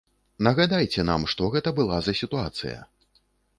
Нагадайце нам, што гэта была за сітуацыя.